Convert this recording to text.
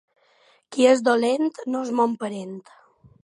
Qui és dolent, no és mon parent.